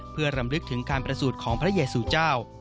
เพื่อรำลึกถึงการประสูจน์ของพระเยสุเจ้า